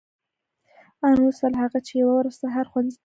آن وروسته له هغه چې یوه ورځ سهار ښوونځي ته تلم.